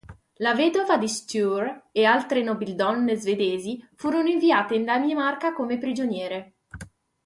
La vedova di Sture e altre nobildonne svedesi furono inviate in Danimarca come prigioniere.